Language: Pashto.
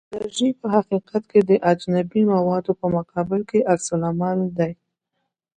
الرژي په حقیقت کې د اجنبي موادو په مقابل کې عکس العمل دی.